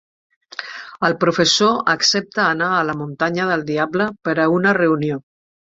El professor accepta anar a la muntanya del Diable per a una reunió.